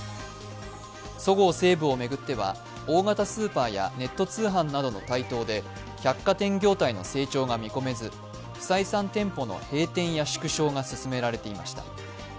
そごう・西武を巡っては大型スーパーやネット通販などの台頭で百貨店業態の成長が見込めず、不採算店舗の閉店や縮小が進められていました。